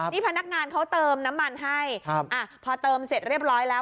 นี่พนักงานเขาเติมน้ำมันให้พอเติมเสร็จเรียบร้อยแล้ว